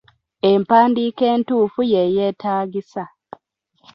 Empandiika entuufu ye yeetagisa.